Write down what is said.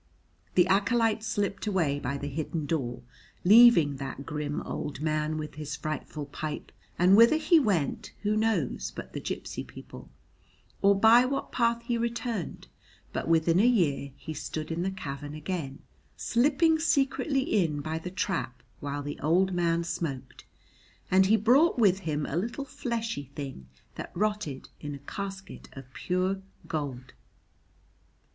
The acolyte slipped away by the hidden door, leaving that grim old man with his frightful pipe, and whither he went who knows but the gipsy people, or by what path he returned; but within a year he stood in the cavern again, slipping secretly in by the trap while the old man smoked, and he brought with him a little fleshy thing that rotted in a casket of pure gold.